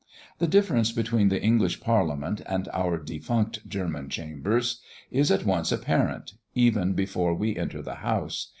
The difference between the English parliament and our defunct German chambers, is at once apparent, even before we enter the house.